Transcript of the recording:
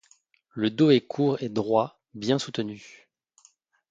Le dos est court et droit, bien soutenu.